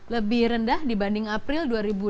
lebih rendah dibanding april dua ribu delapan belas